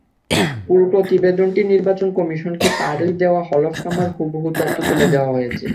পুরো প্রতিবেদনটি নির্বাচন কমিশনকে তাঁরই দেওয়া হলফনামার হুবহু তথ্য তুলে দেওয়া হয়েছে।